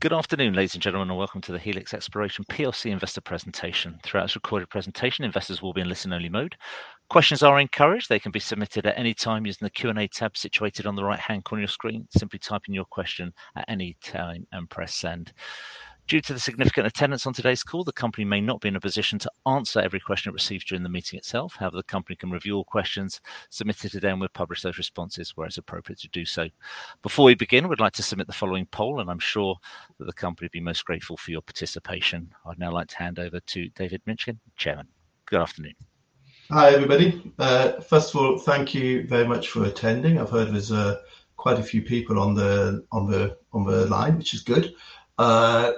Good afternoon, ladies and gentlemen, and welcome to the Helix Exploration PLC investor presentation. Throughout this recorded presentation, investors will be in listen only mode. Questions are encouraged. They can be submitted at any time using the Q&A tab situated on the right-hand corner of your screen. Simply type in your question at any time and press send. Due to the significant attendance on today's call, the company may not be in a position to answer every question it receives during the meeting itself. However, the company can review all questions submitted today, and we'll publish those responses where it's appropriate to do so. Before we begin, we'd like to submit the following poll, and I'm sure that the company will be most grateful for your participation. I'd now like to hand over to David Minchin, Chairman. Good afternoon. Hi, everybody. First of all, thank you very much for attending. I've heard there's quite a few people on the line, which is good.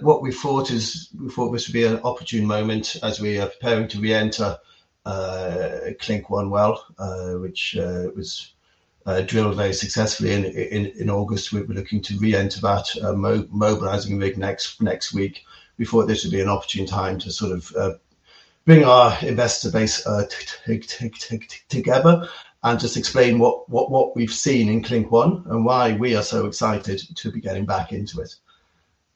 What we thought is, we thought this would be an opportune moment as we are preparing to reenter Clink-1 well, which was drilled very successfully in August. We'll be looking to reenter that, mobilizing rig next week. We thought this would be an opportune time to sort of bring our investor base together and just explain what we've seen in Clink-1 and why we are so excited to be getting back into it.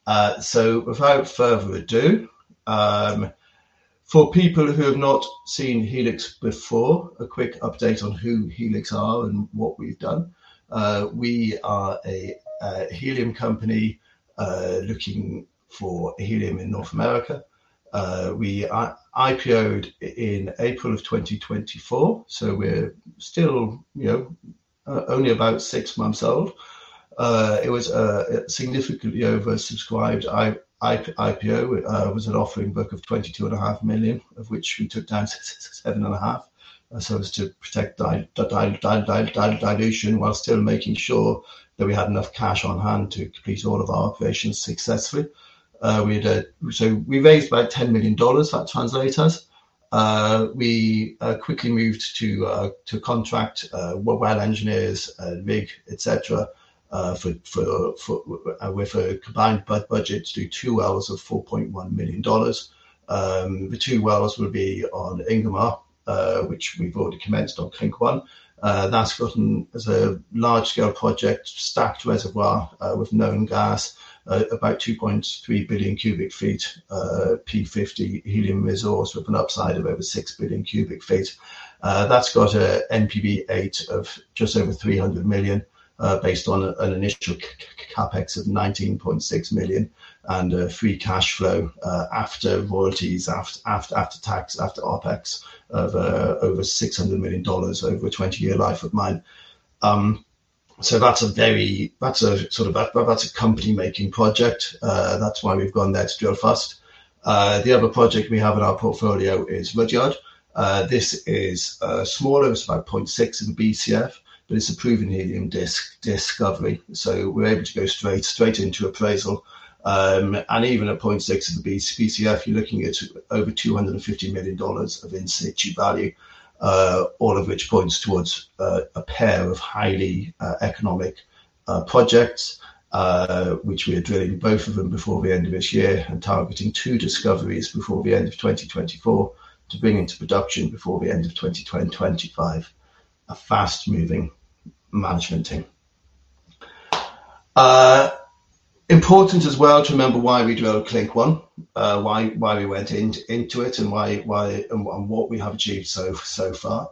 Without further ado, for people who have not seen Helix before, a quick update on who Helix are and what we've done. We are a helium company looking for helium in North America. We IPO'd in April 2024, so we're still, you know, only about six months old. It was a significantly oversubscribed IPO. It was an offering book of $22.5 million, of which we took down $7.5 million. As to protect dilution while still making sure that we had enough cash on hand to complete all of our operations successfully. We raised about $10 million, that translates as. We quickly moved to contract well engineers, rig, et cetera, with a combined budget to do two wells of $4.1 million. The two wells will be on Ingomar, which we've already commenced on Clink-1. That's a large-scale project, stacked reservoir, with known gas, about 2.3 billion cubic feet, P50 helium resource with an upside of over 6 billion cubic feet. That's got a NPV8 of just over $300 million, based on an initial CapEx of $19.6 million and a free cash flow, after royalties, after tax, after OpEx of, over $600 million over a 20-year life of mine. That's a sort of a company-making project. That's why we've gone there to drill first. The other project we have in our portfolio is Rudyard. This is smaller, it's about 0.6 BCF, but it's a proven helium discovery, so we're able to go straight into appraisal, and even at 0.6 of the BCF, you're looking at over $250 million of in situ value, all of which points towards a pair of highly economic projects, which we are drilling both of them before the end of this year and targeting 2 discoveries before the end of 2024 to bring into production before the end of 2025. A fast-moving management team. Important as well to remember why we drilled Clink 1, why we went into it and what we have achieved so far.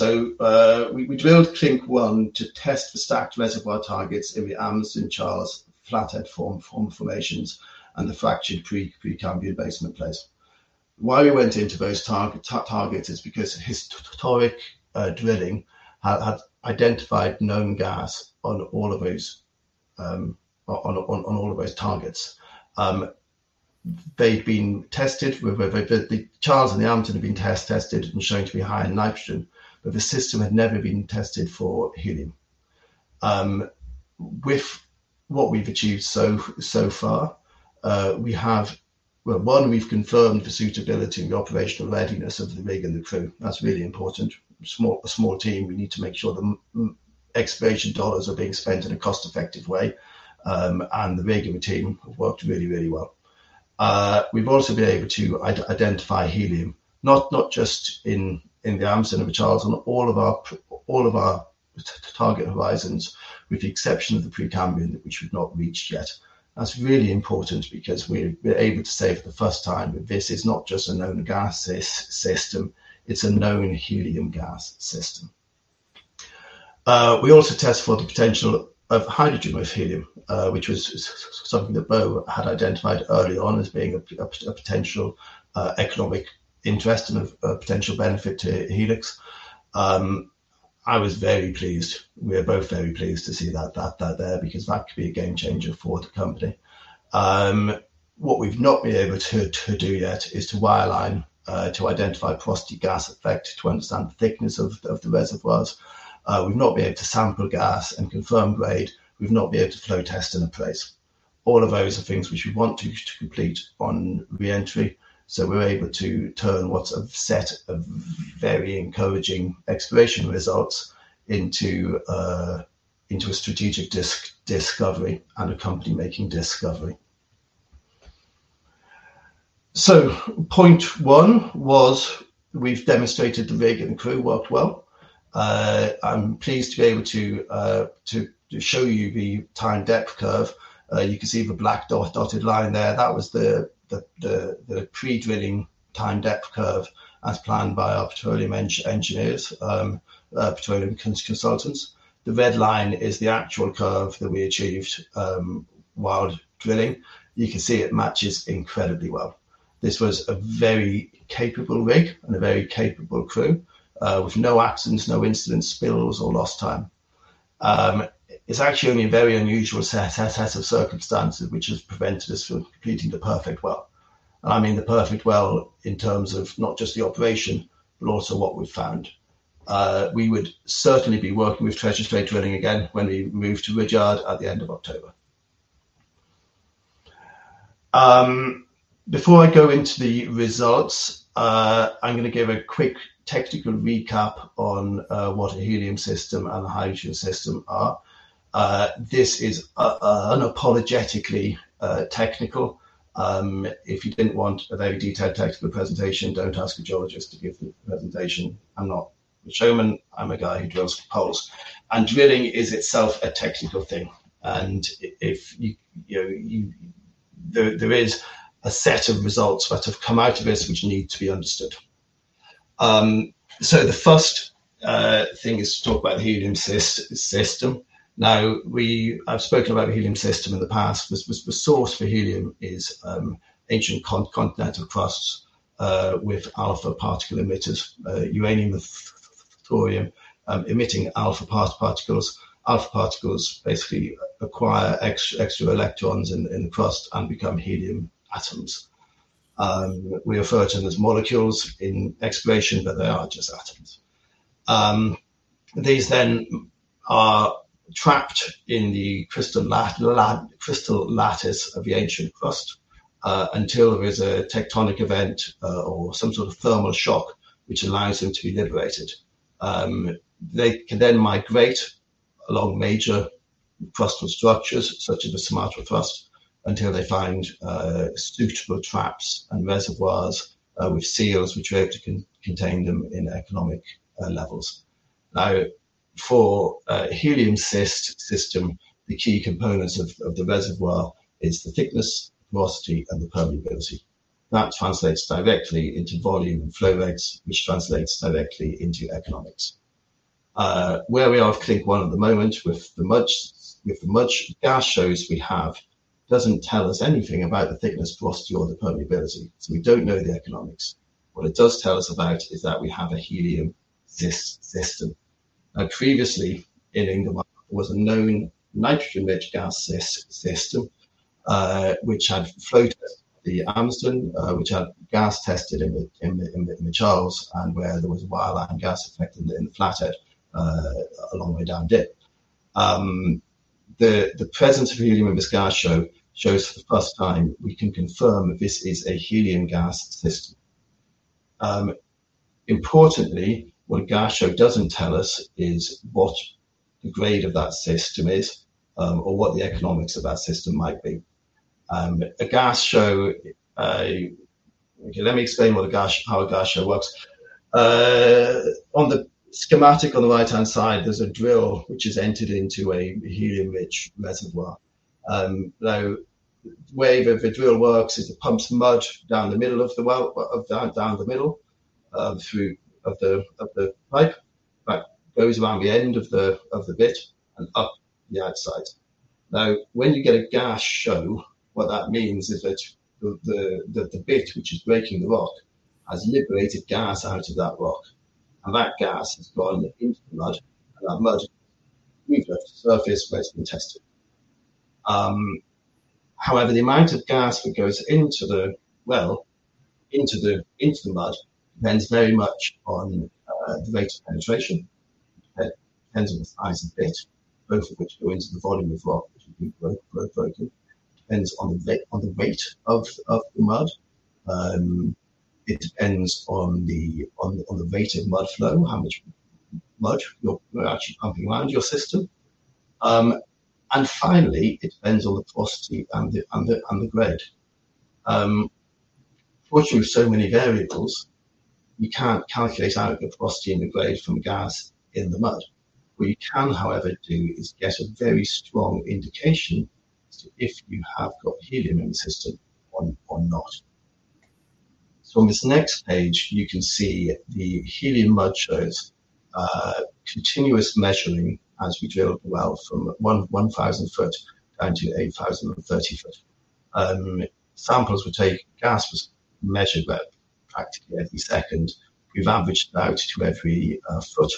We drilled Clink 1 to test the stacked reservoir targets in the Amsden, Charles, Flathead formations and the fractured Precambrian basement play. Why we went into those targets is because historic drilling had identified known gas on all of those targets. They'd been tested. The Charles and the Amsden had been tested and shown to be high in nitrogen, but the system had never been tested for helium. With what we've achieved so far, we have, well, one, we've confirmed the suitability and the operational readiness of the rig and the crew. That's really important. Small team, we need to make sure the exploration dollars are being spent in a cost-effective way, and the rig team worked really well. We've also been able to identify helium, not just in the Amsden and the Charles, on all of our target horizons, with the exception of the Precambrian, which we've not reached yet. That's really important because we're able to say for the first time that this is not just a known gas system, it's a known helium gas system. We also test for the potential of hydrogen with helium, which was something that Bo had identified early on as being a potential economic interest and a potential benefit to Helix. I was very pleased. We are both very pleased to see that there because that could be a game changer for the company. What we've not been able to do yet is to wireline to identify porosity gas effect to understand the thickness of the reservoirs. We've not been able to sample gas and confirm grade. We've not been able to flow test in place. All of those are things which we want to complete on re-entry, so we're able to turn what's a set of very encouraging exploration results into a strategic discovery and a company-making discovery. Point one was we've demonstrated the rig and crew worked well. I'm pleased to be able to show you the time depth curve. You can see the black dotted line there. That was the pre-drilling time depth curve as planned by our petroleum engineers, petroleum consultants. The red line is the actual curve that we achieved while drilling. You can see it matches incredibly well. This was a very capable rig and a very capable crew with no accidents, no incidents, spills or lost time. It's actually only a very unusual set of circumstances which has prevented us from completing the perfect well. I mean the perfect well in terms of not just the operation, but also what we've found. We would certainly be working with Treasure State Drilling again when we move to Rudyard at the end of October. Before I go into the results, I'm gonna give a quick technical recap on what a helium system and a hydrogen system are. This is unapologetically technical. If you didn't want a very detailed technical presentation, don't ask a geologist to give the presentation. I'm not a showman, I'm a guy who drills holes. Drilling is itself a technical thing. If you know, there is a set of results that have come out of this which need to be understood. The first thing is to talk about the helium system. Now, I've spoken about the helium system in the past. The source for helium is ancient continental crusts with alpha particle emitters, uranium with thorium, emitting alpha particles. Alpha particles basically acquire extra electrons in the crust and become helium atoms. We refer to them as molecules in exploration, but they are just atoms. These then are trapped in the crystal lattice of the ancient crust until there is a tectonic event or some sort of thermal shock which allows them to be liberated. They can then migrate along major crustal structures such as the Sumatra Thrust until they find suitable traps and reservoirs with seals which are able to contain them in economic levels. Now, for a helium system, the key components of the reservoir is the thickness, porosity and the permeability. That translates directly into volume and flow rates, which translates directly into economics. Where we are with Clink 1 at the moment with the much gas shows we have, doesn't tell us anything about the thickness, porosity or the permeability. So we don't know the economics. What it does tell us about is that we have a helium system. Now, previously in England was a known nitrogen-rich gas system, which had flowed at the Alveston, which had gas tested in the Charles, and where there was a wireline gas effect in the Flathead, a long way down dip. The presence of helium in this gas show shows for the first time we can confirm this is a helium gas system. Importantly, what a gas show doesn't tell us is what the grade of that system is, or what the economics of that system might be. Okay, let me explain how a gas show works. On the schematic on the right-hand side, there's a drill which is entered into a helium-rich reservoir. Now, the way the drill works is it pumps mud down the middle of the well, down the middle, through the pipe. Right. Goes around the end of the bit and up the outside. Now, when you get a gas show, what that means is that the bit which is breaking the rock has liberated gas out of that rock, and that gas has gone into the mud, and that mud moves up to the surface where it's been tested. However, the amount of gas that goes into the well, into the mud depends very much on the rate of penetration. It depends on the size of the bit, both of which go into the volume of rock, which will be broken. Depends on the weight of the mud. It depends on the rate of mud flow, how much mud you're actually pumping around your system. Finally, it depends on the porosity and the grade. Watching so many variables, you can't calculate out the porosity and the grade from gas in the mud. What you can, however, do is get a very strong indication as to if you have got helium in the system or not. On this next page, you can see the helium mud shows, continuous measuring as we drill the well from 1,000 foot down to 8,030 foot. Samples were taken. Gas was measured about practically every second. We've averaged about every foot,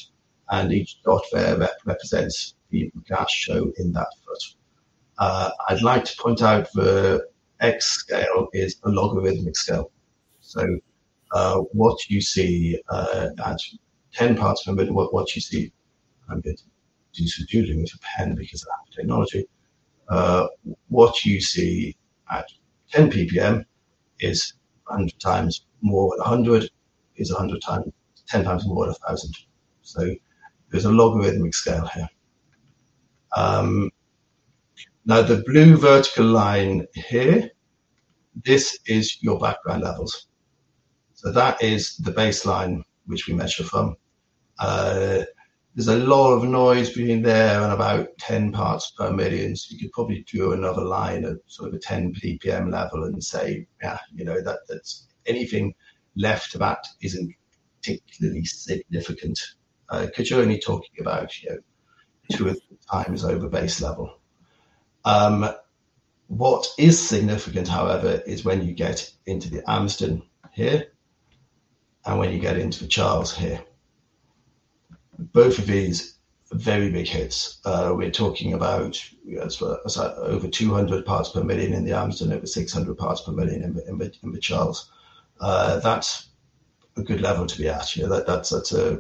and each dot there represents the gas show in that foot. I'd like to point out the X scale is a logarithmic scale. What you see at 10 parts per million. I'm going to illustrate it with a pen because of technology. What you see at 10 ppm is 100 times more than a 100 is 100 times, 10 times more than a 1,000. There's a logarithmic scale here. Now the blue vertical line here, this is your background levels. That is the baseline which we measure from. There's a lot of noise between there and about 10 parts per million, so you could probably draw another line at sort of a 10 PPM level and say, "Yeah, you know, that's anything left of that isn't particularly significant." 'Cause you're only talking about, you know, 2 or 3 times over base level. What is significant, however, is when you get into the Amsden here and when you get into the Charles here. Both of these, very big hits. We're talking about, you know, sort of over 200 parts per million in the Amsden, over 600 parts per million in the Charles. That's a good level to be at. You know, that's a.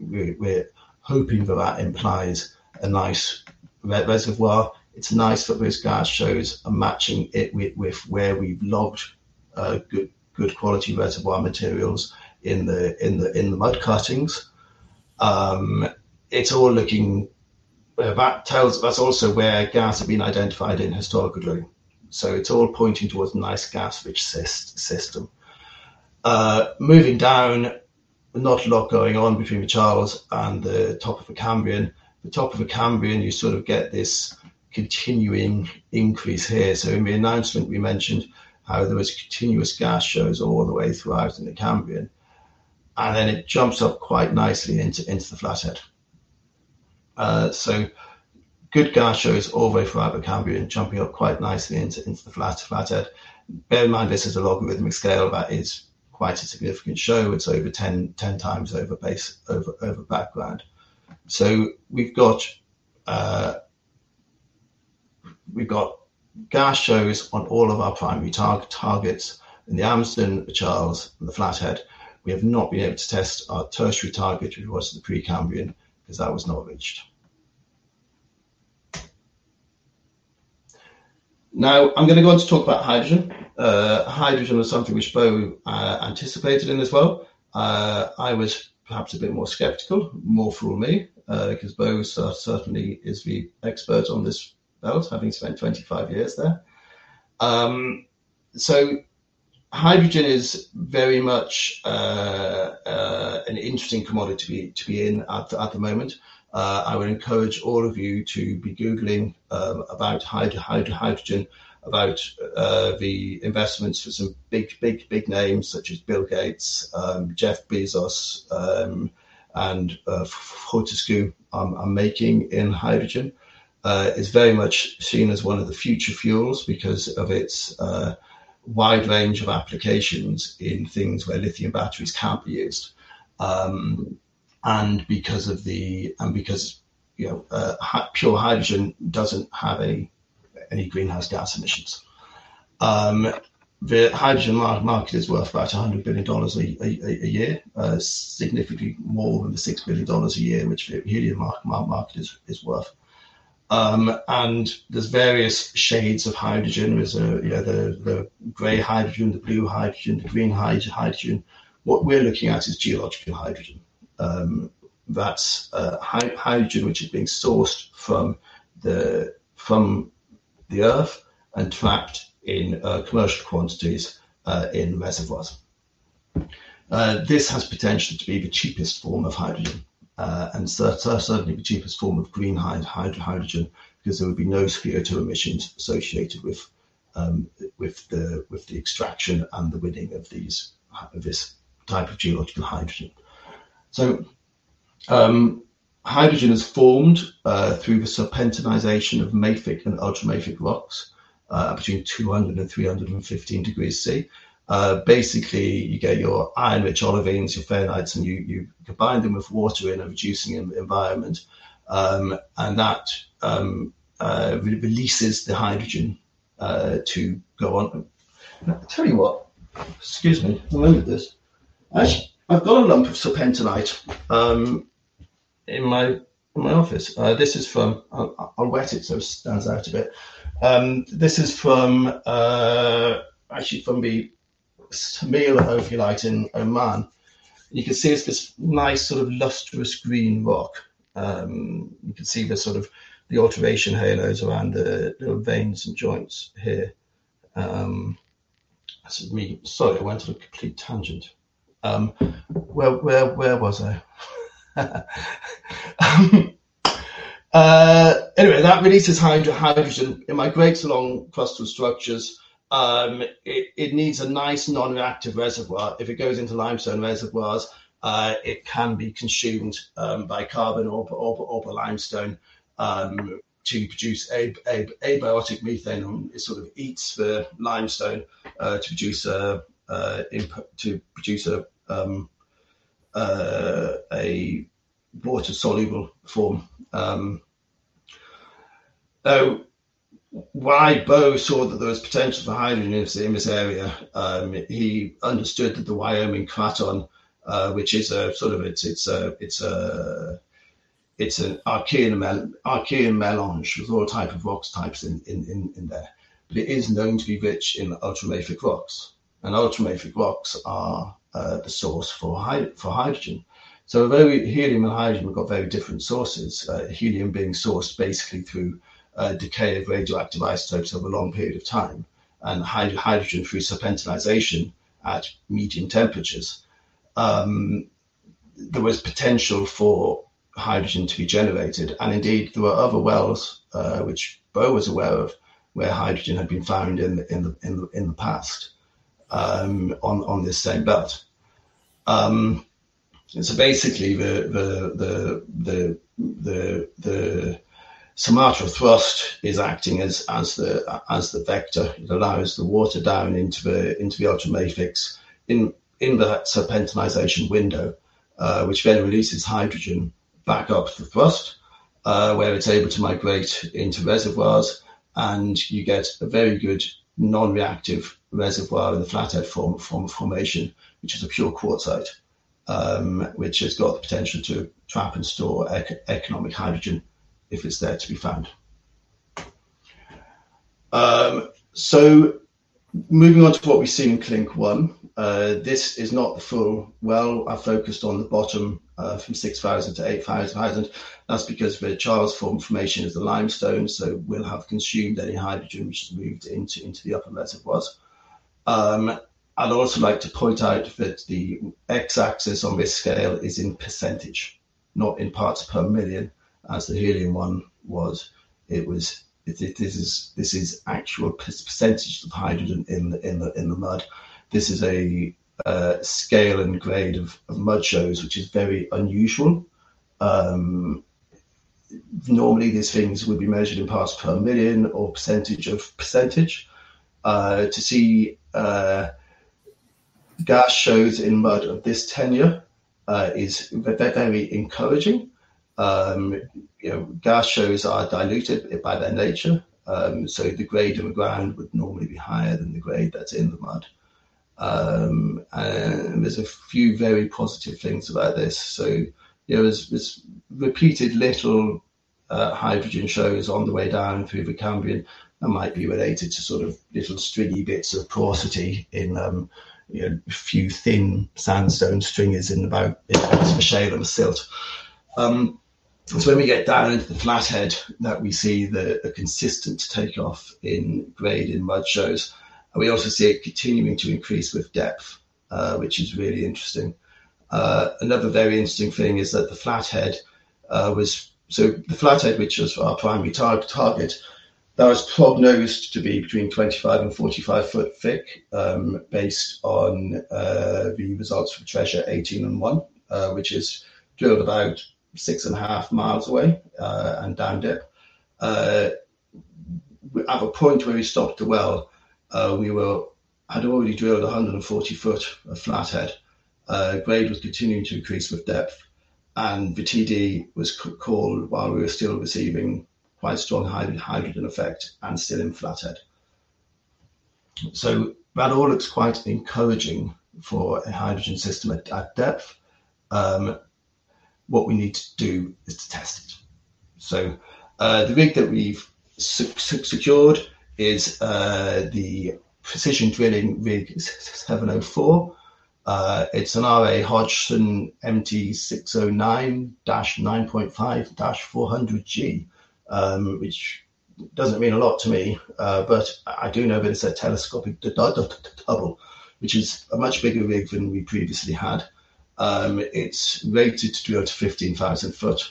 We're hoping that implies a nice reservoir. It's nice that those gas shows are matching it with where we've logged good quality reservoir materials in the mud cuttings. It's all looking. That's also where gas had been identified historically. So it's all pointing towards a nice gas-rich system. Moving down, not a lot going on between the Charles and the top of the Cambrian. The top of the Cambrian, you sort of get this continuing increase here. In the announcement, we mentioned how there was continuous gas shows all the way throughout in the Cambrian, and then it jumps up quite nicely into the Flathead. Good gas shows all the way throughout the Cambrian, jumping up quite nicely into the Flathead. Bear in mind, this is a logarithmic scale that is quite a significant show. It's over 10 times over base over background. We've got gas shows on all of our primary targets, in the Amsden, the Charles, and the Flathead. We have not been able to test our tertiary target, which was the Precambrian, because that was not reached. Now, I'm gonna go on to talk about hydrogen. Hydrogen was something which Bo anticipated in as well. I was perhaps a bit more skeptical. More fool me, because Bo certainly is the expert on this belt, having spent 25 years there. Hydrogen is very much an interesting commodity to be in at the moment. I would encourage all of you to be googling about hydrogen, about the investments for some big names such as Bill Gates, Jeff Bezos, and Fortescue are making in hydrogen. It's very much seen as one of the future fuels because of its wide range of applications in things where lithium batteries can't be used, and because, you know, pure hydrogen doesn't have any greenhouse gas emissions. The hydrogen market is worth about $100 billion a year, significantly more than the $6 billion a year which the helium market is worth. There's various shades of hydrogen. There's, you know, the gray hydrogen, the blue hydrogen, the green hydrogen. What we're looking at is geological hydrogen. That's hydrogen which is being sourced from the Earth and trapped in commercial quantities in reservoirs. This has potential to be the cheapest form of hydrogen, and certainly the cheapest form of green hydrogen, because there would be no CO2 emissions associated with the extraction and the winning of this type of geological hydrogen. Hydrogen is formed through the serpentinization of mafic and ultramafic rocks between 200 and 315 degrees Celsius. Basically, you get your iron-rich olivines, your fayalites, and you combine them with water in a reducing environment, and that releases the hydrogen to go on. I tell you what. Excuse me. I'll remember this. Actually, I've got a lump of serpentinite in my office. This is from. I'll wet it so it stands out a bit. This is from, actually from the Semail Ophiolite in Oman. You can see it's this nice sort of lustrous green rock. You can see the sort of alteration halos around the veins and joints here. Sorry, I went on a complete tangent. Where was I? Anyway, that releases hydrogen. It migrates along crustal structures. It needs a nice non-reactive reservoir. If it goes into limestone reservoirs, it can be consumed by carbon or by limestone to produce an abiotic methane. It sort of eats the limestone to produce a water-soluble form. Why Bo saw that there was potential for hydrogen in this area, he understood that the Wyoming Craton, which is an Archean melange with all types of rocks in there. But it is known to be rich in ultramafic rocks, and ultramafic rocks are the source for hydrogen. Although helium and hydrogen have got very different sources, helium being sourced basically through decay of radioactive isotopes over a long period of time and hydrogen through serpentinization at medium temperatures. There was potential for hydrogen to be generated. Indeed, there were other wells which Bo was aware of, where hydrogen had been found in the past on this same belt. Basically the Sumatra Thrust is acting as the vector. It allows the water down into the ultramafics in the serpentinization window, which then releases hydrogen back up the thrust, where it's able to migrate into reservoirs, and you get a very good non-reactive reservoir in the Flathead Formation, which is a pure quartzite, which has got the potential to trap and store economic hydrogen if it's there to be found. Moving on to what we see in Clink 1. This is not the full well. I've focused on the bottom, from 6,000 to 8,000. That's because the Charles Formation is the limestone, so will have consumed any hydrogen which has moved into the upper reservoirs. I'd also like to point out that the x-axis on this scale is in %, not in parts per million as the helium one was. This is actual percentage of hydrogen in the mud. This is a scale and grade of mud shows, which is very unusual. Normally these things would be measured in parts per million or percentage of percentage. To see gas shows in mud of this tenor is very encouraging. You know, gas shows are diluted by their nature, so the grade in the ground would normally be higher than the grade that's in the mud. There's a few very positive things about this. You know, there's repeated little hydrogen shows on the way down through the Cambrian that might be related to sort of little stringy bits of porosity in you know, a few thin sandstone stringers in parts of the shale and the silt. It's when we get down into the Flathead that we see the consistent takeoff in grade in mud shows, and we also see it continuing to increase with depth, which is really interesting. Another very interesting thing is that the Flathead, which was our primary target, that was prognosed to be between 25- and 45-foot thick, based on the results from Treasure 18-1, which is drilled about 6.5 miles away, and down dip. At the point where we stopped the well, we had already drilled 140 feet of Flathead. Grade was continuing to increase with depth, and the TD was called while we were still receiving quite strong hydrogen effect and still in Flathead. That all looks quite encouraging for a hydrogen system at depth. What we need to do is to test it. The rig that we've secured is the Precision Drilling rig 704. It's an R.A. Hodgson MT 609-9.5-400 G, which doesn't mean a lot to me, but I do know that it's a telescopic double, which is a much bigger rig than we previously had. It's rated to drill to 15,000 feet.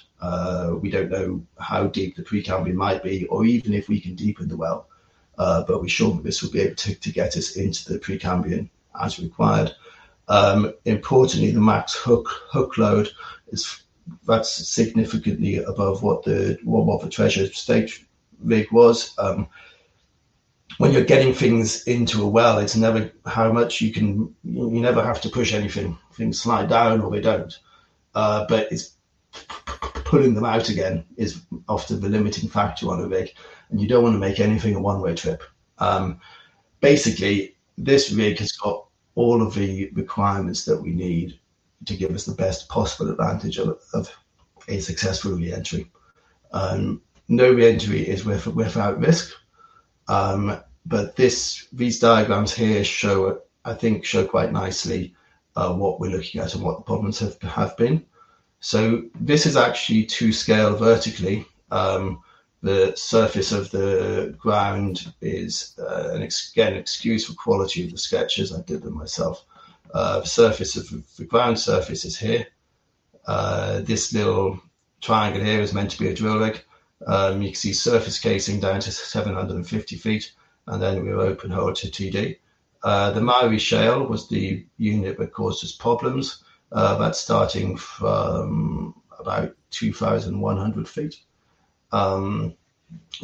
We don't know how deep the Precambrian might be or even if we can deepen the well, but we're sure that this will be able to get us into the Precambrian as required. Importantly, the max hook load is. That's significantly above what the Treasure State rig was. When you're getting things into a well, you never have to push anything. Things slide down or they don't. It's pulling them out again is often the limiting factor on a rig, and you don't wanna make anything a one-way trip. Basically, this rig has got all of the requirements that we need to give us the best possible advantage of a successful re-entry. No re-entry is without risk, but these diagrams here show, I think, quite nicely what we're looking at and what the problems have been. This is actually to scale vertically. The ground surface is here. Again, excuse the quality of the sketches, I did them myself. This little triangle here is meant to be a drill rig. You can see surface casing down to 750 feet, and then we're open hole to TD. The Mowry Shale was the unit that caused us problems. That's starting from about 2,100 feet. You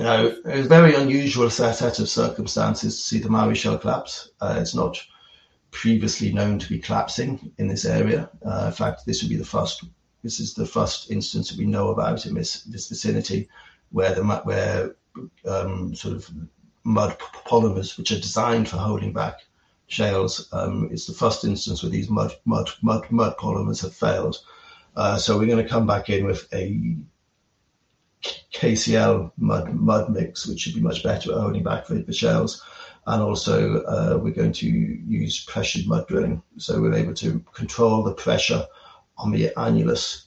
know, it was a very unusual set of circumstances to see the Mowry Shale collapse. It's not previously known to be collapsing in this area. In fact, this is the first instance that we know about in this vicinity where sort of mud polymers, which are designed for holding back shales, it's the first instance where these mud polymers have failed. We're gonna come back in with a KCl mud mix, which should be much better at holding back the shales. We're going to use Managed Pressure Drilling, so we're able to control the pressure on the annulus,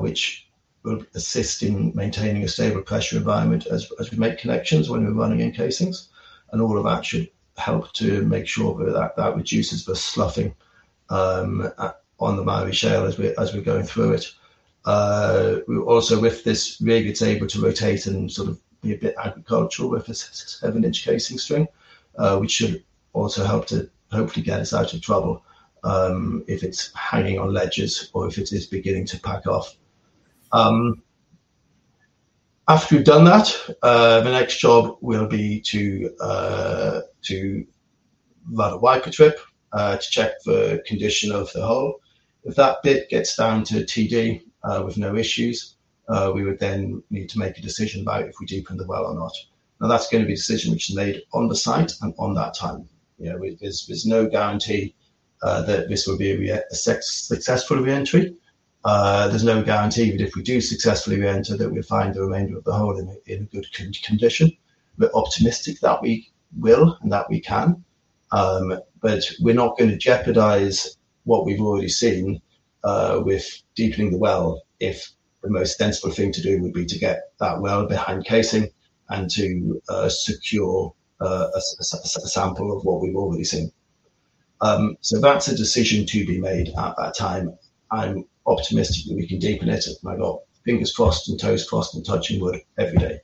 which will assist in maintaining a stable pressure environment as we make connections when we're running in casings. All of that should help to make sure that reduces the sloughing on the Mowry Shale as we're going through it. We also with this rig, it's able to rotate and sort of be a bit agricultural with a seven-inch casing string, which should also help to hopefully get us out of trouble, if it's hanging on ledges or if it is beginning to pack off. After we've done that, the next job will be to run a wiper trip to check the condition of the hole. If that bit gets down to TD with no issues, we would then need to make a decision about if we deepen the well or not. Now, that's gonna be a decision which is made on the site and on that time. You know, there's no guarantee that this will be a successful re-entry. There's no guarantee that if we do successfully re-enter, that we'll find the remainder of the hole in a good condition. We're optimistic that we will and that we can, but we're not gonna jeopardize what we've already seen with deepening the well if the most sensible thing to do would be to get that well behind casing and to secure a sample of what we've already seen. That's a decision to be made at that time. I'm optimistic that we can deepen it, and I've got fingers crossed and toes crossed and touching wood every day.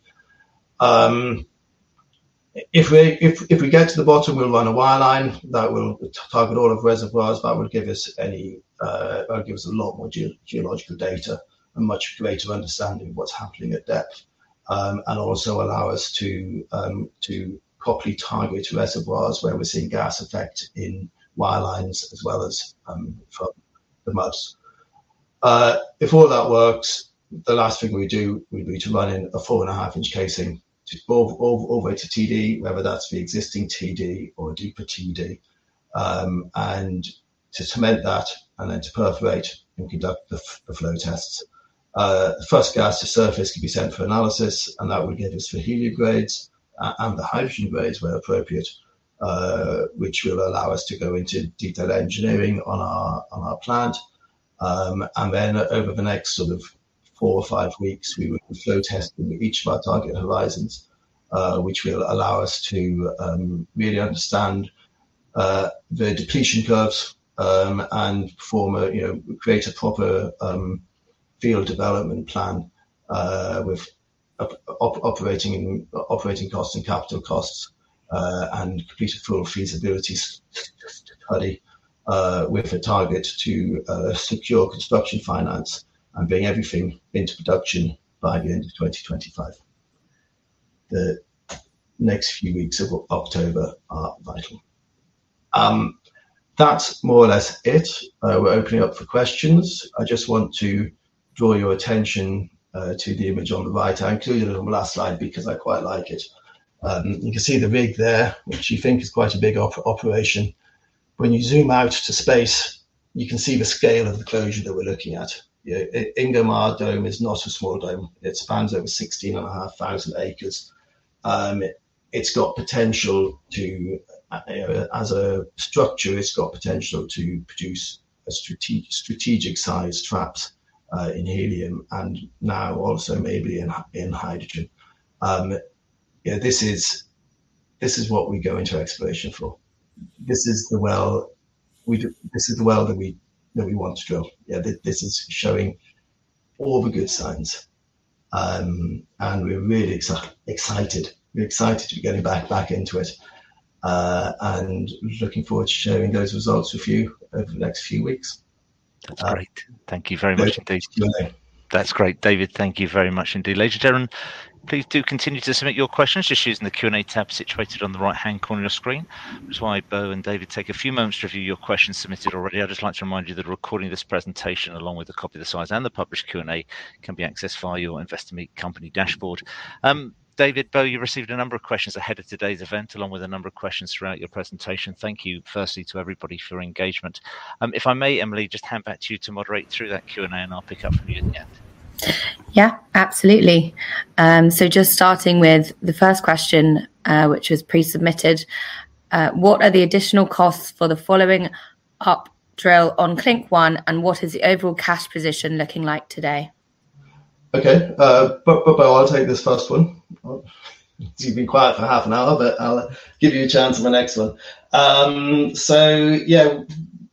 If we get to the bottom, we'll run a wireline that will target all of the reservoirs. That will give us a lot more geological data and much greater understanding of what's happening at depth. Also allow us to properly target reservoirs where we're seeing gas effect in wirelines as well as from the mud shows. If all that works, the last thing we do would be to run in a 4.5-inch casing all the way to TD, whether that's the existing TD or a deeper TD, and to cement that and then to perforate and conduct the flow tests. The first gas to surface can be sent for analysis, and that will give us the helium grades and the hydrogen grades where appropriate, which will allow us to go into detailed engineering on our plant. Over the next sort of four or five weeks, we will be flow testing each of our target horizons, which will allow us to really understand the depletion curves, and form a, you know, create a proper field development plan, with operating costs and capital costs, and complete a full feasibility study, with a target to secure construction finance and bring everything into production by the end of 2025. The next few weeks of October are vital. That's more or less it. We're opening up for questions. I just want to draw your attention to the image on the right. I included it on the last slide because I quite like it. You can see the rig there, which you think is quite a big operation. When you zoom out to space, you can see the scale of the closure that we're looking at. You know, Ingomar Dome is not a small dome. It spans over 16,500 acres. It's got potential to, you know, as a structure, it's got potential to produce a strategic-sized traps in helium and now also maybe in hydrogen. You know, this is what we go into exploration for. This is the well that we want to drill. You know, this is showing all the good signs. We're really excited. We're excited to be getting back into it and looking forward to sharing those results with you over the next few weeks. That's great. Thank you very much indeed. Pleasure. That's great. David, thank you very much indeed. Ladies and gentlemen, please do continue to submit your questions just using the Q&A tab situated on the right-hand corner of your screen. While Bo and David take a few moments to review your questions submitted already, I'd just like to remind you that a recording of this presentation, along with a copy of the slides and the published Q&A, can be accessed via your Investor Meet Company dashboard. David, Bo, you received a number of questions ahead of today's event along with a number of questions throughout your presentation. Thank you firstly to everybody for your engagement. If I may, Emily, just hand back to you to moderate through that Q&A, and I'll pick up from you at the end. Yeah, absolutely. Just starting with the first question, which was pre-submitted. What are the additional costs for the following up drill on Clink-1, and what is the overall cash position looking like today? Okay. Bo, I'll take this first one. You've been quiet for half an hour, but I'll give you a chance on the next one. Yeah,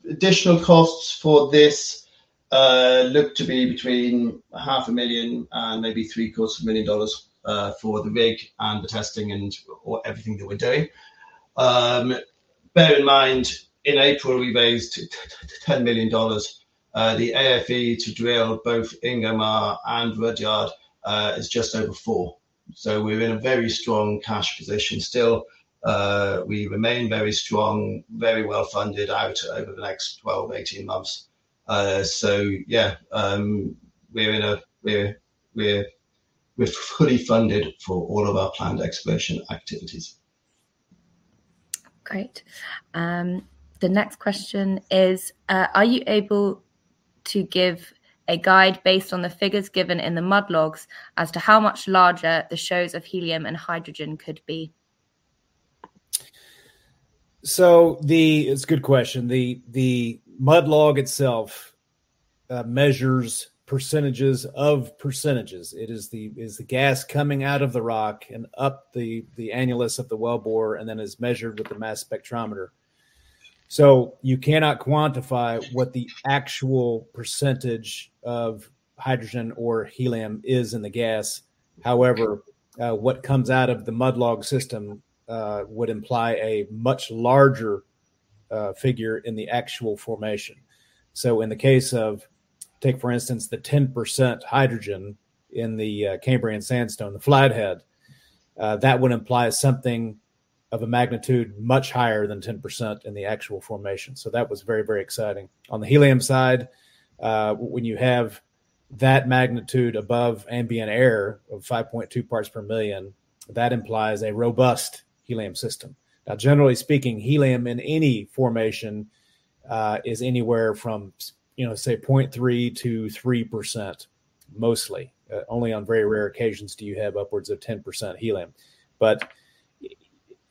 additional costs for this look to be between half a million and maybe three-quarters of a $million for the rig and the testing and all, everything that we're doing. Bear in mind, in April we raised $10 million. The AFE to drill both Ingomar and Rudyard is just over $4 million. We're in a very strong cash position still. We remain very strong, very well funded out over the next 12-18 months. We're fully funded for all of our planned exploration activities. Great. The next question is, are you able to give a guide based on the figures given in the mud logs as to how much larger the shows of helium and hydrogen could be? It's a good question. The mud log itself measures percentages of percentages. It is the gas coming out of the rock and up the annulus of the wellbore, and then is measured with a mass spectrometer. You cannot quantify what the actual percentage of hydrogen or helium is in the gas. However, what comes out of the mud log system would imply a much larger figure in the actual formation. In the case of, take for instance the 10% hydrogen in the Cambrian sandstone, the Flathead, that would imply something of a magnitude much higher than 10% in the actual formation. That was very, very exciting. On the helium side, when you have that magnitude above ambient air of 5.2 parts per million, that implies a robust helium system. Now generally speaking, helium in any formation, is anywhere from you know, say 0.3%-3% mostly. Only on very rare occasions do you have upwards of 10% helium.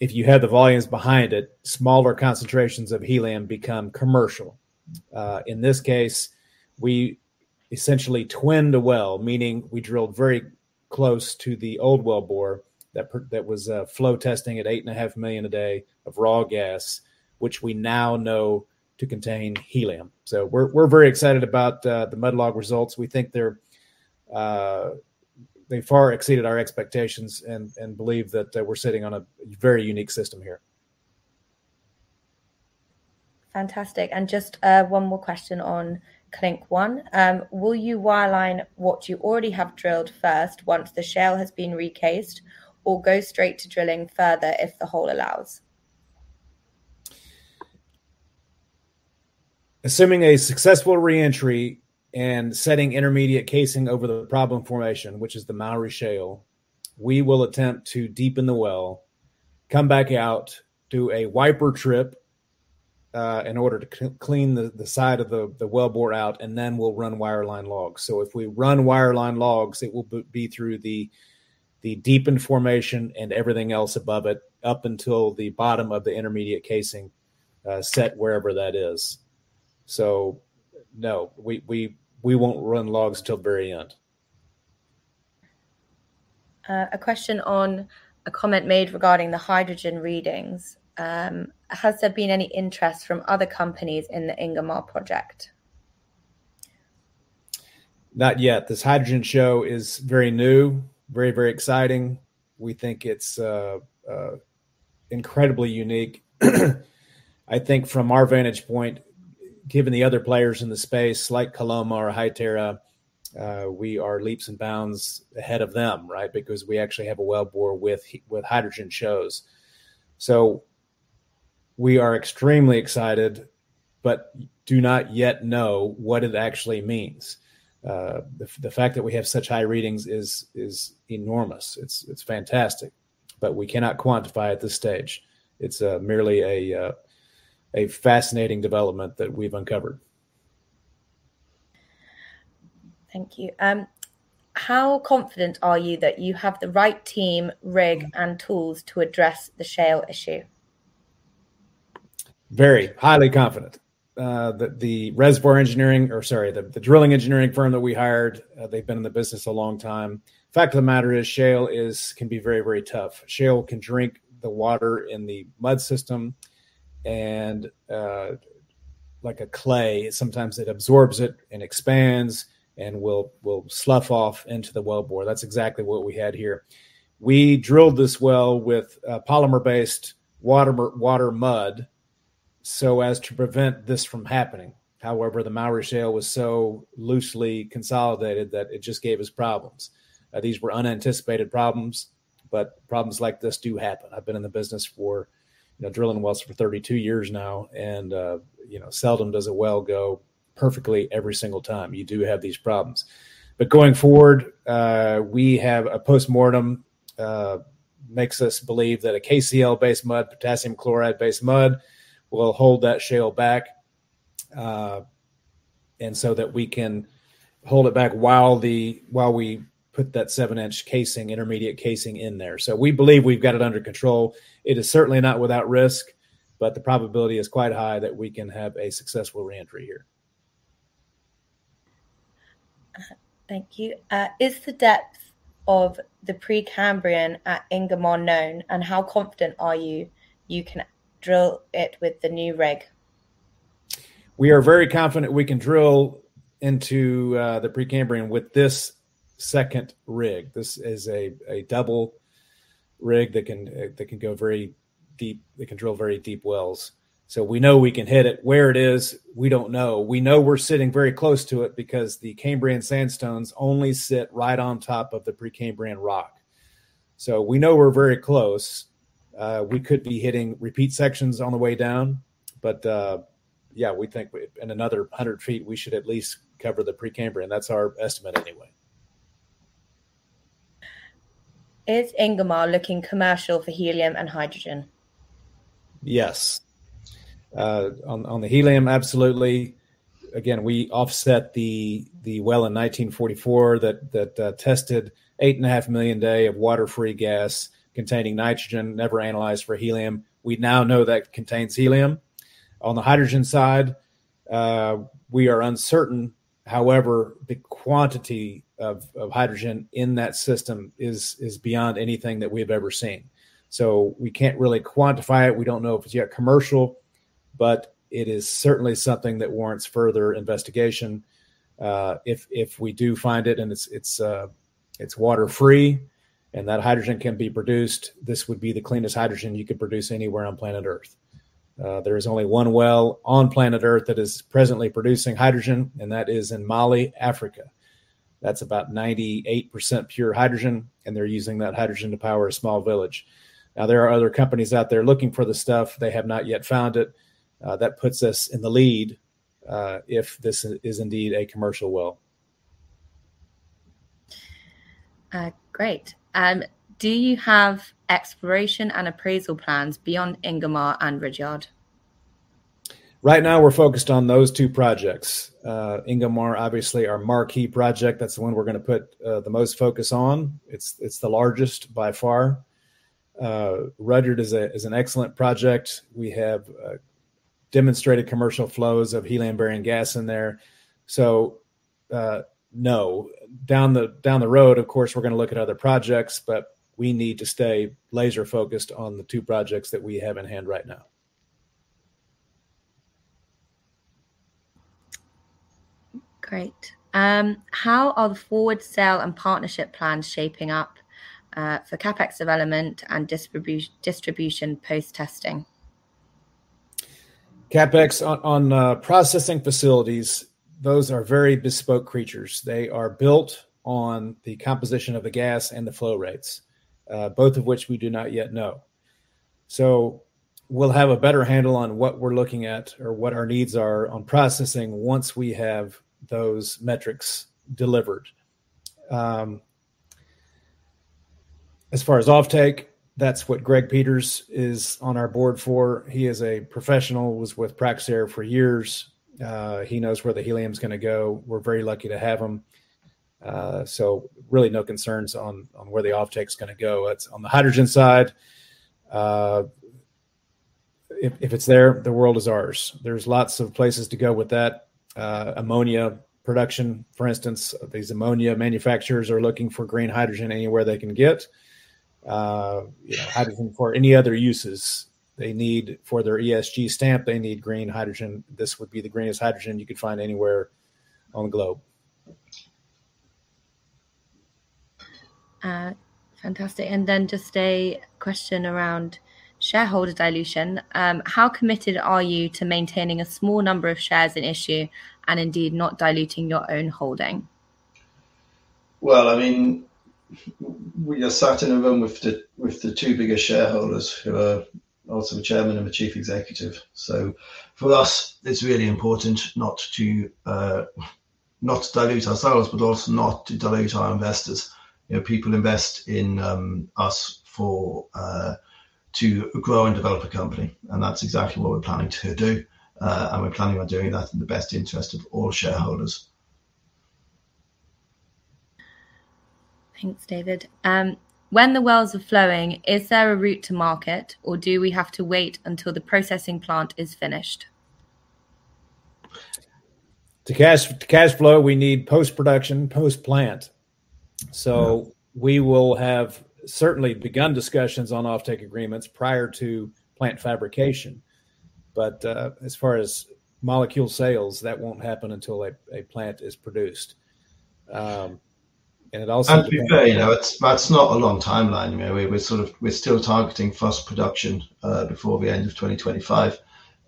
If you have the volumes behind it, smaller concentrations of helium become commercial. In this case we essentially twinned the well, meaning we drilled very close to the old wellbore that was flow testing at 8.5 million a day of raw gas, which we now know to contain helium. We're very excited about the mud log results. We think they far exceeded our expectations and believe that we're sitting on a very unique system here. Fantastic. Just, one more question on Clink-1. Will you wireline what you already have drilled first once the shale has been recased, or go straight to drilling further if the hole allows? Assuming a successful re-entry and setting intermediate casing over the problem formation, which is the Mowry Shale, we will attempt to deepen the well, come back out, do a wiper trip, in order to clean the side of the wellbore out, and then we'll run wireline logs. If we run wireline logs, it will be through the deepened formation and everything else above it up until the bottom of the intermediate casing, set wherever that is. No, we won't run logs till the very end. A question on a comment made regarding the hydrogen readings. Has there been any interest from other companies in the Ingomar project? Not yet. This hydrogen show is very new, very exciting. We think it's incredibly unique. I think from our vantage point, given the other players in the space, like Koloma or HyTerra, we are leaps and bounds ahead of them, right? Because we actually have a wellbore with hydrogen shows. We are extremely excited, but do not yet know what it actually means. The fact that we have such high readings is enormous. It's fantastic. We cannot quantify at this stage. It's merely a fascinating development that we've uncovered. Thank you. How confident are you that you have the right team, rig, and tools to address the shale issue? Very. Highly confident. The drilling engineering firm that we hired, they've been in the business a long time. Fact of the matter is shale can be very, very tough. Shale can drink the water in the mud system, and like a clay sometimes it absorbs it and expands and will slough off into the wellbore. That's exactly what we had here. We drilled this well with a polymer-based water mud so as to prevent this from happening. However, the Mowry Shale was so loosely consolidated that it just gave us problems. These were unanticipated problems, but problems like this do happen. I've been in the business for, you know, drilling wells for 32 years now and, you know, seldom does a well go perfectly every single time. You do have these problems. Going forward, we have a post-mortem, makes us believe that a KCl-based mud, potassium chloride-based mud, will hold that shale back. And so that we can hold it back while we put that 7-inch casing, intermediate casing in there. We believe we've got it under control. It is certainly not without risk, but the probability is quite high that we can have a successful re-entry here. Thank you. Is the depth of the Precambrian at Ingomar known, and how confident are you can drill it with the new rig? We are very confident we can drill into the Precambrian with this second rig. This is a double rig that can go very deep. It can drill very deep wells. We know we can hit it. Where it is, we don't know. We know we're sitting very close to it because the Cambrian sandstones only sit right on top of the Precambrian rock. We know we're very close. We could be hitting repeat sections on the way down. Yeah, we think in another 100 feet we should at least cover the Precambrian. That's our estimate anyway. Is Ingomar looking commercial for helium and hydrogen? Yes. On the helium, absolutely. Again, we offset the well in 1944 that tested 8.5 million a day of water-free gas containing nitrogen, never analyzed for helium. We now know that contains helium. On the hydrogen side, we are uncertain. However, the quantity of hydrogen in that system is beyond anything that we have ever seen. So we can't really quantify it. We don't know if it's yet commercial, but it is certainly something that warrants further investigation. If we do find it and it's water-free and that hydrogen can be produced, this would be the cleanest hydrogen you could produce anywhere on planet Earth. There is only one well on planet Earth that is presently producing hydrogen, and that is in Mali, Africa. That's about 98% pure hydrogen, and they're using that hydrogen to power a small village. Now, there are other companies out there looking for the stuff. They have not yet found it. That puts us in the lead, if this is indeed a commercial well. Great. Do you have exploration and appraisal plans beyond Ingomar and Rudyard? Right now we're focused on those two projects. Ingomar, obviously our marquee project. That's the one we're gonna put the most focus on. It's the largest by far. Rudyard is an excellent project. We have demonstrated commercial flows of helium-bearing gas in there. So no, down the road, of course, we're gonna look at other projects, but we need to stay laser-focused on the two projects that we have in hand right now. Great. How are the forward sale and partnership plans shaping up for CapEx development and distribution post-testing? CapEx on processing facilities, those are very bespoke creatures. They are built on the composition of the gas and the flow rates, both of which we do not yet know. We'll have a better handle on what we're looking at or what our needs are on processing once we have those metrics delivered. As far as offtake, that's what Greg Peters is on our board for. He is a professional, was with Praxair for years. He knows where the helium's gonna go. We're very lucky to have him. Really no concerns on where the offtake's gonna go. On the hydrogen side, if it's there, the world is ours. There's lots of places to go with that. Ammonia production, for instance. These ammonia manufacturers are looking for green hydrogen anywhere they can get. You know, hydrogen for any other uses they need for their ESG stamp, they need green hydrogen. This would be the greenest hydrogen you could find anywhere on the globe. Fantastic. Just a question around shareholder dilution. How committed are you to maintaining a small number of shares in issue and indeed not diluting your own holding? Well, I mean, we are sat in a room with the two biggest shareholders, who are also the Chairman and the Chief Executive. For us, it's really important not to dilute ourselves, but also not to dilute our investors. You know, people invest in us to grow and develop a company, and that's exactly what we're planning to do. We're planning on doing that in the best interest of all shareholders. Thanks, David. When the wells are flowing, is there a route to market, or do we have to wait until the processing plant is finished? To cash flow, we need post-production, post-plant. We will have certainly begun discussions on offtake agreements prior to plant fabrication. But as far as molecule sales, that won't happen until a plant is produced. It also depends- To be fair, you know, it's that's not a long timeline. You know, we're still targeting first production before the end of 2025.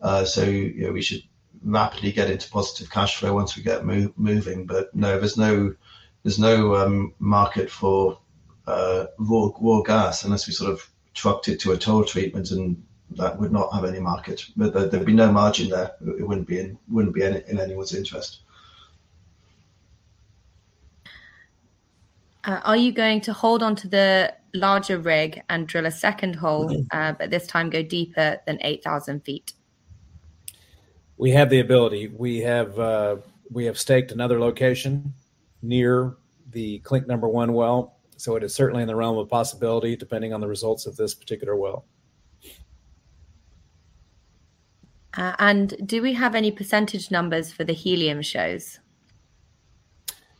We should rapidly get into positive cash flow once we get moving. No, there's no market for raw gas unless we sort of trucked it to a toll treatment and that would not have any market. There'd be no margin there. It wouldn't be in anyone's interest. Are you going to hold onto the larger rig and drill a second hole? Mm-hmm This time go deeper than 8,000 feet? We have the ability. We have staked another location near the Clink-1 well. It is certainly in the realm of possibility, depending on the results of this particular well. Do we have any percentage numbers for the helium shows?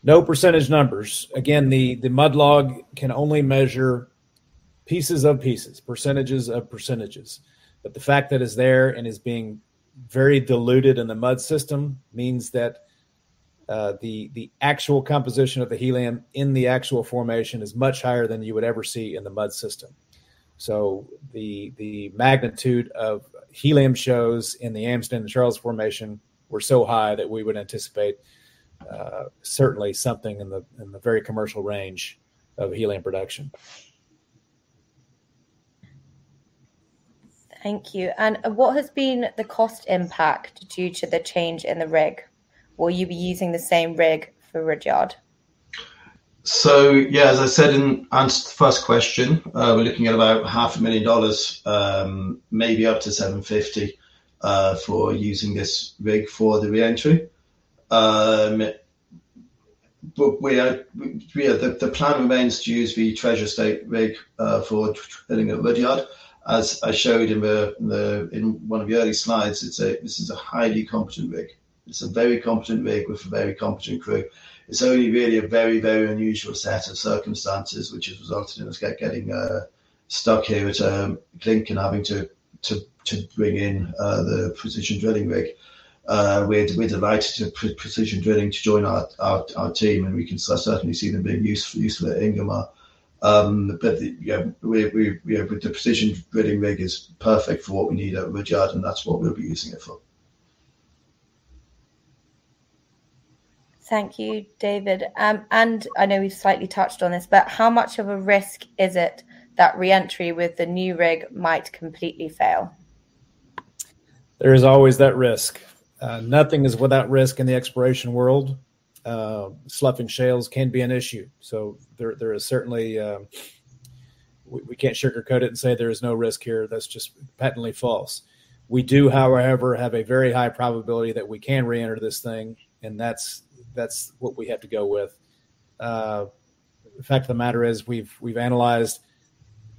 No percentage numbers. Again, the mud log can only measure pieces of pieces, percentages of percentages. The fact that it's there and is being very diluted in the mud system means that the actual composition of the helium in the actual formation is much higher than you would ever see in the mud system. The magnitude of helium shows in the Amsden and the Charles Formation were so high that we would anticipate certainly something in the very commercial range of helium production. Thank you. What has been the cost impact due to the change in the rig? Will you be using the same rig for Rudyard? Yeah, as I said in answer to the first question, we're looking at about half a million dollars, maybe up to $750,000, for using this rig for the re-entry. The plan remains to use the Treasure State rig for drilling at Rudyard. As I showed in one of the early slides, it's a highly competent rig. It's a very competent rig with a very competent crew. It's only really a very unusual set of circumstances which has resulted in us getting stuck here at Clink and having to bring in the Precision Drilling rig. We're delighted for Precision Drilling to join our team, and we can certainly see them being useful at Ingomar. You know, we you know, the Precision Drilling rig is perfect for what we need at Rudyard, and that's what we'll be using it for. Thank you, David. I know we've slightly touched on this, but how much of a risk is it that re-entry with the new rig might completely fail? There is always that risk. Nothing is without risk in the exploration world. Sloughing shales can be an issue. We can't sugarcoat it and say there is no risk here. That's just patently false. We do, however, have a very high probability that we can re-enter this thing, and that's what we have to go with. The fact of the matter is we've analyzed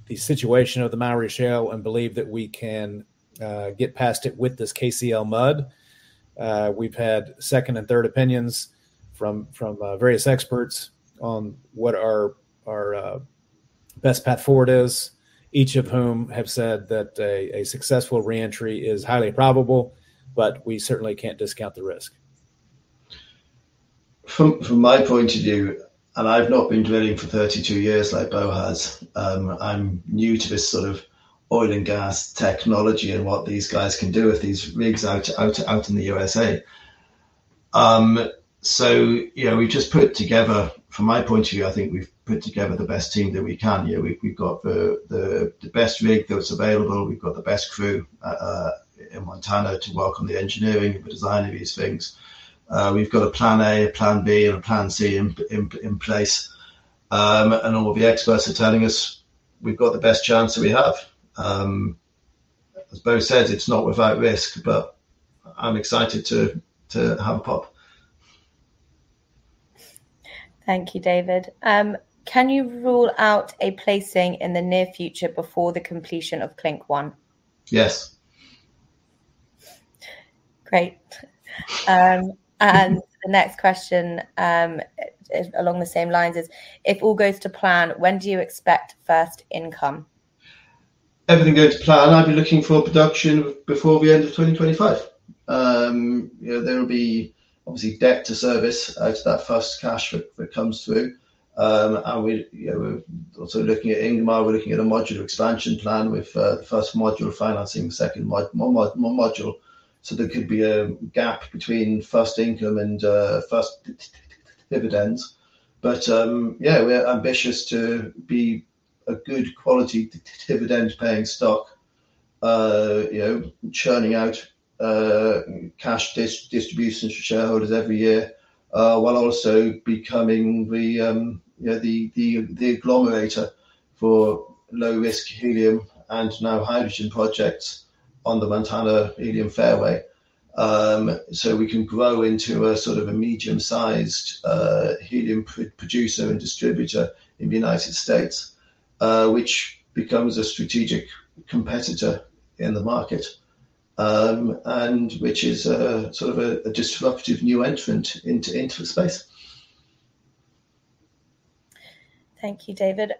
the situation of the Mowry Shale and believe that we can get past it with this KCl mud. We've had second and third opinions from various experts on what our best path forward is, each of whom have said that a successful re-entry is highly probable. We certainly can't discount the risk. From my point of view, and I've not been drilling for 32 years like Bo has, I'm new to this sort of oil and gas technology and what these guys can do with these rigs out in the USA. You know, from my point of view, I think we've put together the best team that we can here. We've got the best rig that was available. We've got the best crew in Montana to welcome the engineering and the design of these things. We've got a plan A, a plan B, and a plan C in place. All of the experts are telling us we've got the best chance that we have. As Bo said, it's not without risk, but I'm excited to have a pop. Thank you, David. Can you rule out a placing in the near future before the completion of Clink-1? Yes. Great. The next question, along the same lines is, if all goes to plan, when do you expect first income? Everything goes to plan, I'd be looking for production before the end of 2025. You know, there'll be obviously debt to service out of that first cash that comes through. You know, we're also looking at Ingomar. We're looking at a modular expansion plan with the first module financing the second module. There could be a gap between first income and first dividends. Yeah, we're ambitious to be a good quality dividend-paying stock, you know, churning out cash distributions to shareholders every year, while also becoming the agglomerator for low-risk helium and now hydrogen projects on the Montana Helium Fairway. We can grow into a sort of a medium-sized helium producer and distributor in the United States, which becomes a strategic competitor in the market, and which is a sort of a disruptive new entrant into the space. Thank you, David.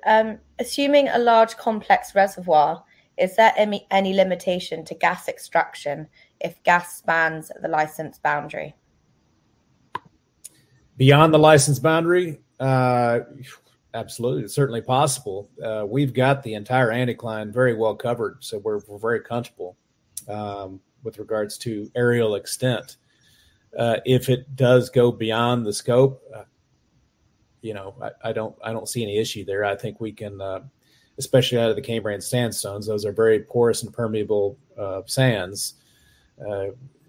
Assuming a large complex reservoir, is there any limitation to gas extraction if gas spans the license boundary? Beyond the license boundary? Absolutely. It's certainly possible. We've got the entire anticline very well covered, so we're very comfortable with regards to areal extent. If it does go beyond the scope, you know, I don't see any issue there. I think we can, especially out of the Cambrian sandstones, those are very porous and permeable sands.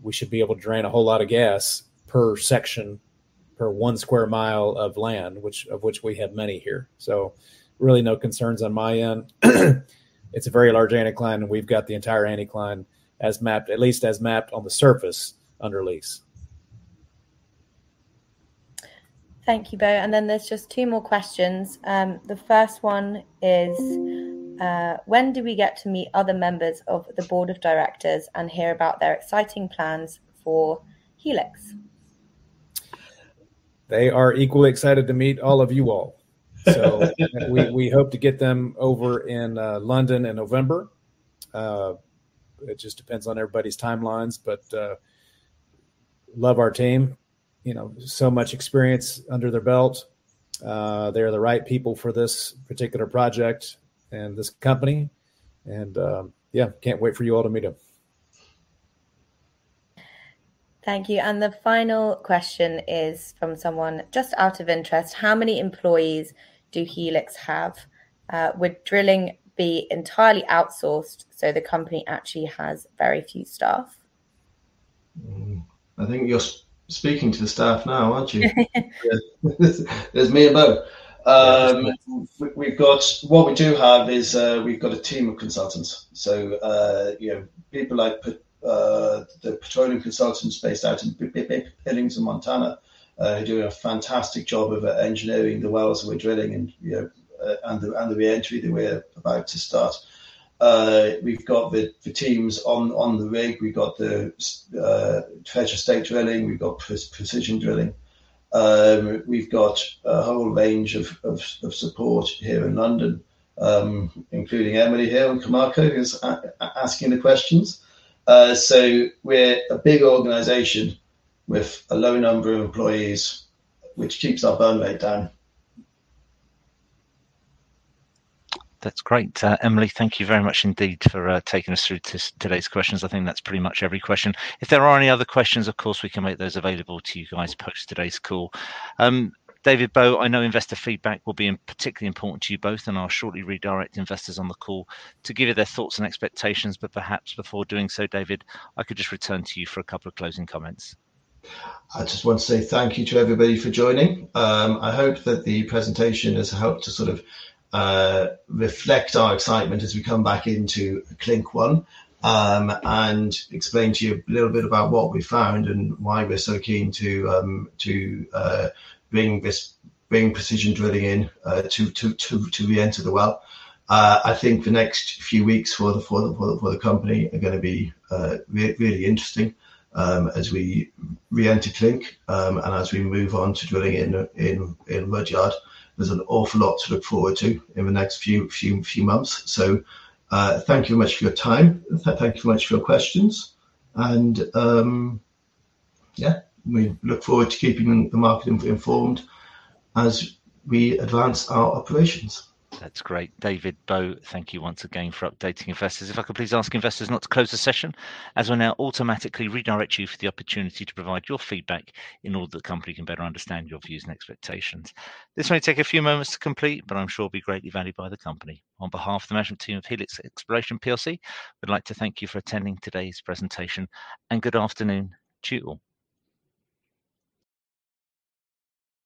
We should be able to drain a whole lot of gas per section, per 1 sq mi of land, which we have many here. Really no concerns on my end. It's a very large anticline, and we've got the entire anticline as mapped, at least as mapped on the surface under lease. Thank you, Bo. There's just two more questions. The first one is, when do we get to meet other members of the board of directors and hear about their exciting plans for Helix? They are equally excited to meet all of you all. We hope to get them over in London in November. It just depends on everybody's timelines. Love our team. You know, so much experience under their belt. They're the right people for this particular project and this company and yeah, can't wait for you all to meet them. Thank you. The final question is from someone, just out of interest, how many employees do Helix have? Would drilling be entirely outsourced so the company actually has very few staff? I think you're speaking to the staff now, aren't you? There's me and Bo. We've got a team of consultants. You know, people like the petroleum consultants based out in Billings in Montana, who are doing a fantastic job of engineering the wells we're drilling and, you know, and the re-entry that we're about to start. We've got the teams on the rig. We've got Treasure State Drilling. We've got Precision Drilling. We've got a whole range of support here in London, including Emily here and Camarco who's asking the questions. We're a big organization with a low number of employees, which keeps our burn rate down. That's great. Emily, thank you very much indeed for taking us through today's questions. I think that's pretty much every question. If there are any other questions, of course we can make those available to you guys post today's call. David, Bo, I know investor feedback will be particularly important to you both, and I'll shortly redirect investors on the call to give you their thoughts and expectations. Perhaps before doing so, David, I could just return to you for a couple of closing comments. I just want to say thank you to everybody for joining. I hope that the presentation has helped to sort of reflect our excitement as we come back into Clink-1 and explain to you a little bit about what we found and why we're so keen to bring Precision Drilling in to re-enter the well. I think the next few weeks for the company are gonna be really interesting as we re-enter Clink and as we move on to drilling in Rudyard. There's an awful lot to look forward to in the next few months. Thank you very much for your time. Thank you very much for your questions and, yeah, we look forward to keeping the market informed as we advance our operations. That's great. David, Bo, thank you once again for updating investors. If I could please ask investors not to close the session, as we'll now automatically redirect you for the opportunity to provide your feedback in order that the company can better understand your views and expectations. This may take a few moments to complete, but I'm sure it'll be greatly valued by the company. On behalf of the management team of Helix Exploration PLC, we'd like to thank you for attending today's presentation, and good afternoon to you all.